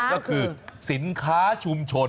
ก็คือสินค้าชุมชน